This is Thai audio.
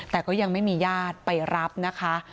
แต่ก็ยังไม่มีญาติไปรับนะคะ